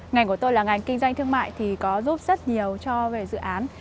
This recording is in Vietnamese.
ngành của tôi là ngành kinh doanh thương mại thì có giúp rất nhiều cho về dự án